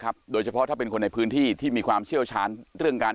โดยเฉพาะถ้าเป็นคนในพื้นที่ที่มีความเชี่ยวชาญเรื่องการ